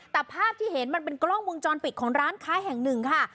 แต่ภาพที่เห็นมันเป็นกล้องวงจรปิดของร้านค้าแห่งหนึ่งค่ะ